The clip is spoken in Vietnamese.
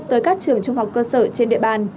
tới các trường trung học cơ sở trên địa bàn